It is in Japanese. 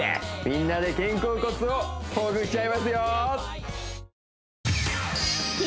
みんなで肩甲骨をほぐしちゃいますよ